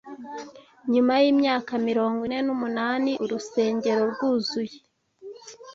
Nyuma y’imyaka mirongo ine n,umunani urusengero rwuzuye